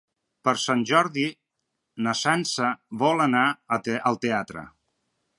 Per Sant Jordi na Sança vol anar al teatre.